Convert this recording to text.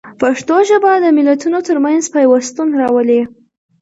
پښتو ژبه د ملتونو ترمنځ پیوستون راولي.